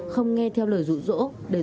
không nghe theo lời rủ rỗ để rủi gây nguy hiểm